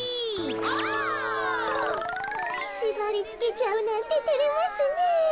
オ！しばりつけちゃうなんててれますねえ。